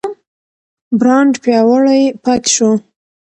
برانډ پیاوړی پاتې شو.